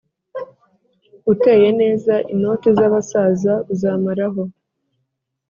Uteye neza inoti za basaza uzamaraho